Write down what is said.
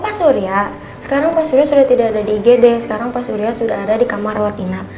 pak surya sekarang pak surya sudah tidak ada di igd sekarang pak surya sudah ada di kamar rawat inap